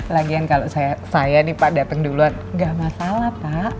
lagian kalau saya nih pak datang duluan nggak masalah pak